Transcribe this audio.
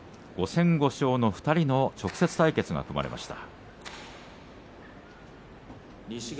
５戦５勝の２人の直接対決が組まれました。